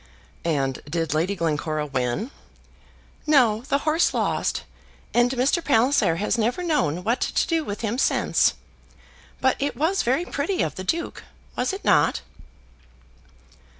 "And did Lady Glencora win?" "No; the horse lost; and Mr. Palliser has never known what to do with him since. But it was very pretty of the Duke; was it not?"